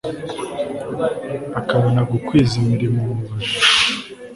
akabona gukwiza imirimo mu baja